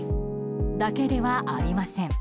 だけではありません。